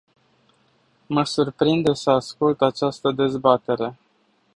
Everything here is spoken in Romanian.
Mă surprinde să ascult această dezbatere.